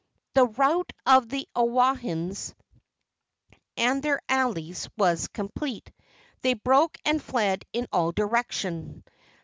The rout of the Oahuans and their allies was complete. They broke and fled in all directions.